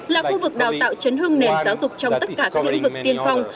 là khu vực đào tạo chấn hương nền giáo dục trong tất cả các lĩnh vực tiên phong